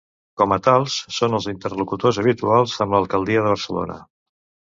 Com a tals, són els interlocutors habituals amb l'alcaldia de Barcelona.